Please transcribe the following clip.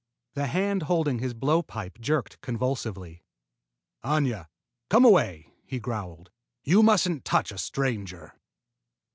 The hand holding his blow pipe jerked convulsively. "Aña! Come away!" he growled. "You mustn't touch a stranger!"